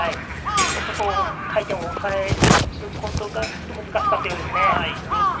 ちょっと回転を抑えることが難しかったようです。